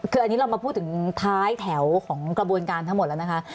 คืออันนี้เรามาพูดถึงท้ายแถวของกระบวนการทั้งหมดแล้วนะคะ